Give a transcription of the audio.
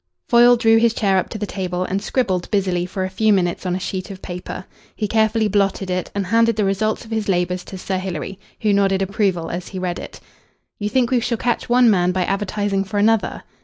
Foyle drew his chair up to the table and scribbled busily for a few minutes on a sheet of paper. He carefully blotted it, and handed the result of his labours to Sir Hilary, who nodded approval as he read it. "You think we shall catch one man by advertising for another?"